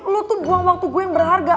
lu tuh buang waktu gue yang berharga